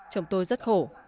chồng tôi rất khổ